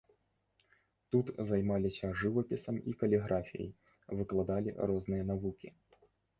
Тут займаліся жывапісам і каліграфіяй, выкладалі розныя навукі.